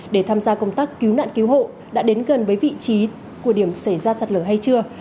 để tham gia công tác cứu nạn cứu hộ đã đến gần với vị trí của điểm xảy ra sạt lở hay chưa